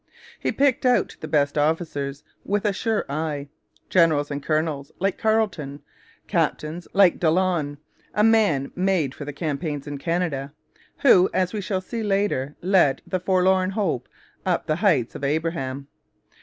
He picked out the best officers with a sure eye: generals and colonels, like Carleton; captains; like Delaune, a man made for the campaigns in Canada, who, as we shall see later, led the 'Forlorn Hope' up the Heights of Abraham.